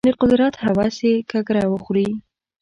د قدرت هوس یې ککره وخوري.